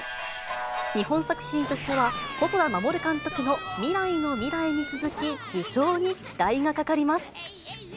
日本作品としては、細田守監督の未来のミライに続き、受賞に期待がかかります。